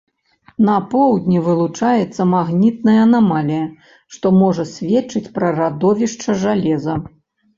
На поўдні вылучаецца магнітная анамалія, што можа сведчыць пра радовішчы жалеза.